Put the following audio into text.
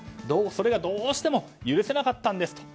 それがどうしても許せなかったんですと。